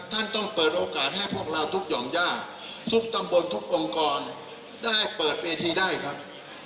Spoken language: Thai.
ท่านต้องเปิดโอกาสให้พวกเราทุกหย่อมย่าทุกตำบลทุกองค์กรได้เปิดเวทีได้ครับ